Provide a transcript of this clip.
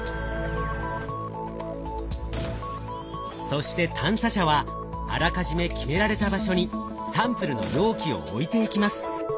そして探査車はあらかじめ決められた場所にサンプルの容器を置いていきます。